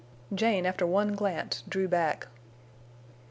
Jane, after one glance, drew back.